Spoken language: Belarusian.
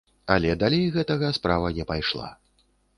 Але далей гэтага справа не пайшла.